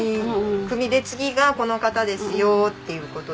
組組で次がこの方ですよっていう事で。